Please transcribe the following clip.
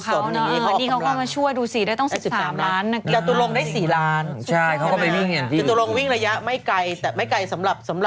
แต่ไม่ได้วิ่งกันอยู่สน